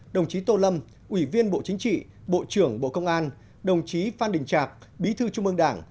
đồng chí tô lâm ủy viên bộ chính trị bộ trưởng bộ công an đồng chí phan đình trạc bí thư trung ương đảng